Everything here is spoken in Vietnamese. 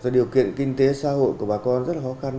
điều kiện kinh tế xã hội của bà con rất là khó khăn